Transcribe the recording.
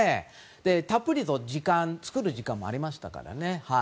たっぷりと作る時間もありましたから。